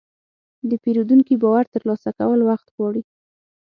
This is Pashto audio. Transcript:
د پیرودونکي باور ترلاسه کول وخت غواړي.